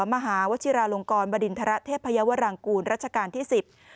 มหาวชิราลงกรบดินทรเทพยาวรางกูลรัชกาลที่สิบ